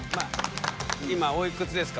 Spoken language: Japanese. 今おいくつですか？